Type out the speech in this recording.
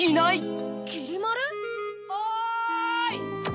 ・おい！